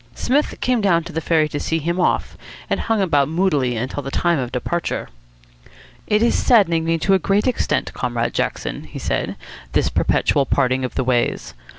Psmith came down to the ferry to see him off, and hung about moodily until the time of departure. "It is saddening me to a great extent, Comrade Jackson," he said, "this perpetual parting of the ways.